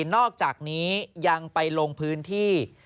นอกจากนี้ยังไปลงพื้นที่